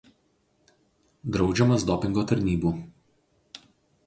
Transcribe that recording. Draudžiamas dopingo tarnybų.